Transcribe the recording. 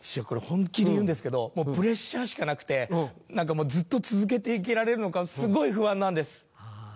これ本気で言うんですけどもうプレッシャーしかなくてずっと続けて行けられるのかすごい不安なんです。